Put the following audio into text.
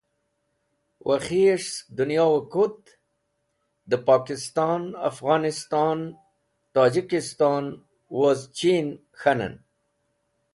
Wakhis̃h sẽk dẽnyoẽ kut dẽ Pokiston, Afghanisto, Tojikiston woz Chinẽ k̃hanẽn.